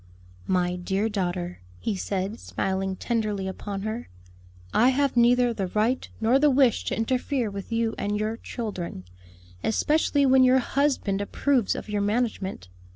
"My dear daughter," he said, smiling tenderly upon her, "I have neither the right nor the wish to interfere with you and your children; especially when your husband approves of your management.